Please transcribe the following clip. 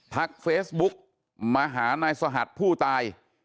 ทักเฟซบุ๊กมาหานายสหัสผู้ตาย